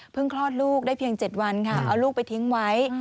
คลอดลูกได้เพียง๗วันค่ะเอาลูกไปทิ้งไว้